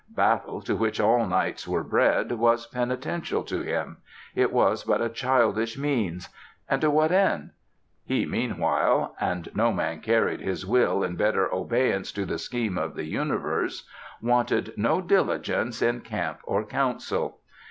Battle, to which all knights were bred, was penitential to him. It was but a childish means: and to what end? He meanwhile and no man carried his will in better abeyance to the scheme of the universe wanted no diligence in camp or council.